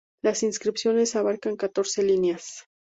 Las inscripciones abarcaban catorce líneas.